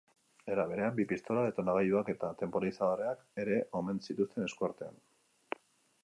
Era berean, bi pistola, detonagailuak eta tenporizadoreak ere omen zituzten eskuartean.